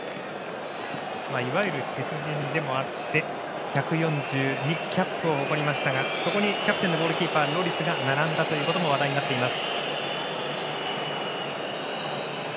いわゆる鉄人でもあって１４２キャップを誇りましたがそこにキャプテンでゴールキーパーのロリスが並んだことも話題になっています。